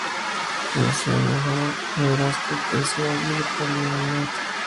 Nació en Omaha, Nebraska, y creció en Asheville, Carolina del Norte.